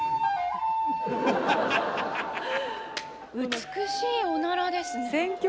美しいおならですね。